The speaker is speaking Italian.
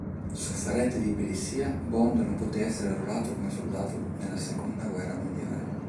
Sofferente di epilessia, Bond non poté essere arruolato come soldato nella Seconda guerra mondiale.